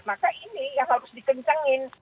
maka ini yang harus dikencengin